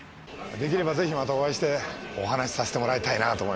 できれば是非またお会いしてお話しさせてもらいたいなぁと思いまして。